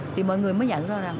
thì mọi người mới nhận ra rằng